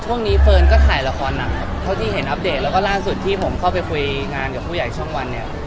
เฟิร์นก็ถ่ายละครหนักครับเท่าที่เห็นอัปเดตแล้วก็ล่าสุดที่ผมเข้าไปคุยงานกับผู้ใหญ่ช่องวันเนี่ย